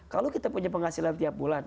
kalau kita punya penghasilan tiap bulan